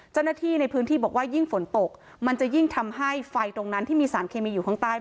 เจ้าหน้าที่ในพื้นที่บอกว่ายิ่งฝนตกมันจะยิ่งทำให้ไฟตรงนั้นที่มีสารเคมีอยู่ข้างใต้